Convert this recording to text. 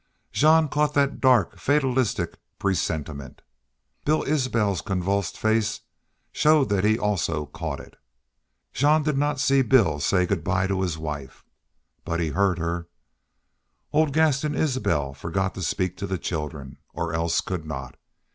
Jean caught that dark, fatalistic presentiment. Bill Isbel's convulsed face showed that he also caught it. Jean did not see Bill say good by to his wife. But he heard her. Old Gaston Isbel forgot to speak to the children, or else could not.